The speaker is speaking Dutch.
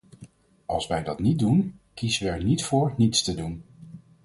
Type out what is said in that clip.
Als wij dat niet doen, kiezen we er niet voor niets te doen.